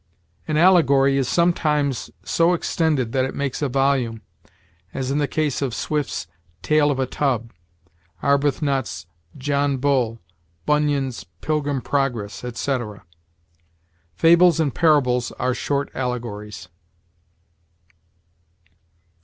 An allegory is sometimes so extended that it makes a volume; as in the case of Swift's "Tale of a Tub," Arbuthnot's "John Bull," Bunyan's "Pilgrim's Progress," etc. Fables and parables are short allegories.